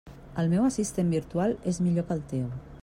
El meu assistent virtual és millor que el teu.